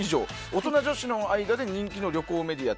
大人女子の間で人気の旅行メディア